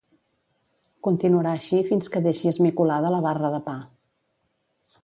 Continuarà així fins que deixi esmicolada la barra de pa.